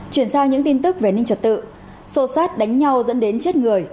chuyển sang những tin tức về an ninh trật tự sô sát đánh nhau dẫn đến chết người